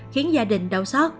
với gia đình đau sót